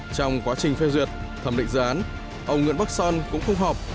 trong quá trình phê duyệt thẩm định dự án ông nguyễn bắc son cũng không họp